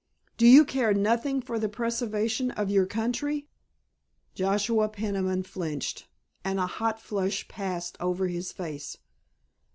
Do you care nothing for the preservation of your country?" Joshua Peniman flinched, and a hot flush passed over his face.